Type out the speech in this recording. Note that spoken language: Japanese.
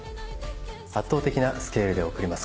圧倒的なスケールで送ります